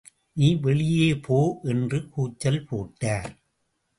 நீ வெளியே போ என்று கூச்சல் போட்டார்.